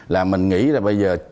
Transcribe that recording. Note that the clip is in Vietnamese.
là mình nghĩ là bây giờ